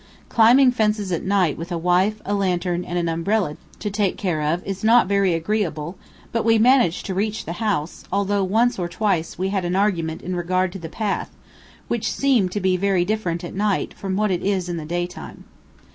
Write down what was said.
Climbing fences at night with a wife, a lantern, and an umbrella to take care of, is not very agreeable, but we managed to reach the house, although once or twice we had an argument in regard to the path, which seemed to be very different at night from what it was in the day time.